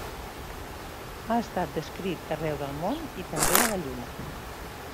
Ha estat descrit arreu del món i també a la Lluna.